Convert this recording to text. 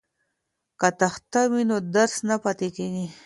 که تخته وي نو درس نه پاتې کیږي.